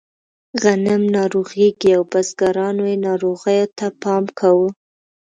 غنم ناروغېږي او بزګرانو یې ناروغیو ته پام کاوه.